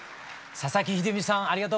佐々木秀実さんありがとうございました。